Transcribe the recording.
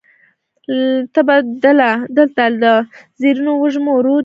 ته به دلته د زرینو وږمو ورور یې